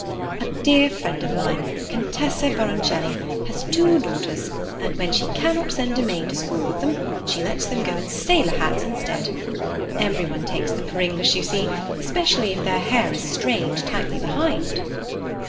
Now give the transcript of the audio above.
A dear friend of mine, Contessa Baroncelli, has two daughters, and when she cannot send a maid to school with them, she lets them go in sailor hats instead. Every one takes them for English, you see, especially if their hair is strained tightly behind."